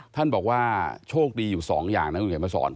ท่านบอกว่าโชคดีอยู่๒อย่างนะคุณเห็นประสรรค์